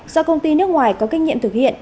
do công ty nước ngoài có kinh nghiệm thực hiện